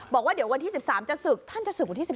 บอกว่าเดี๋ยววันที่๑๓จะศึกท่านจะศึกวันที่๑